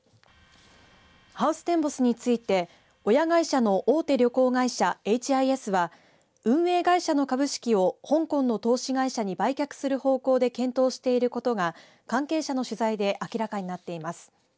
ハウステンボスについて親会社の大手旅行会社エイチ・アイ・エスは運営会社の株式を香港の投資会社に売却する方向で検討していることが関係者の取材で明らかになっています。